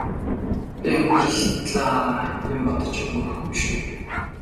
би амьдралаа юм бодож өнгөрөөхгүй шүү гэв.